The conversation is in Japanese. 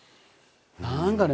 何かね